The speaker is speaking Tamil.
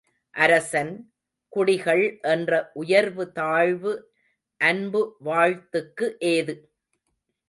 அரசன், குடிகள் என்ற உயர்வு தாழ்வு அன்பு வாழ்த்துக்கு ஏது?